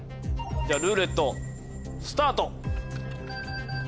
じゃルーレットスタート！